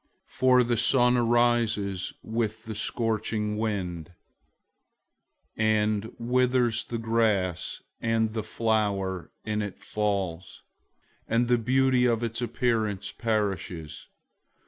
001:011 For the sun arises with the scorching wind, and withers the grass, and the flower in it falls, and the beauty of its appearance perishes.